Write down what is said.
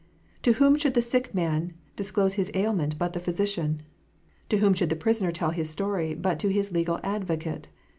To whom should the sick man disclose his ailment, but the physician 1 To whom should the prisoner tell his story, but to his legal advocate